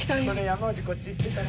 山内こっちいってたら。